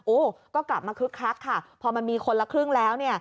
โอ้ก็กลับมาคลึกคลักค่ะพอมันมีคนละครึ่งแล้ว